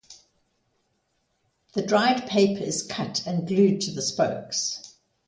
The dried paper is cut and glued to the spokes.